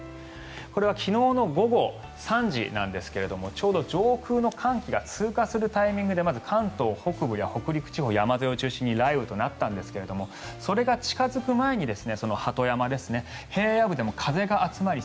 これは昨日の午後３時なんですがちょうど上空の寒気が通過するタイミングでまず関東北部や北陸地方山沿いを中心に雷雨となったんですがそれが近付く前にその鳩山ですね平野部でも風が集まり